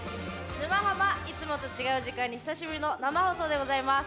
「沼ハマ」いつもと違う時間に久しぶりの生放送でございます。